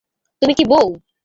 তুমি কি বউ?